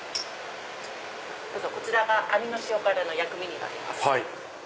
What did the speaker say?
こちらがアミの塩辛の薬味になります。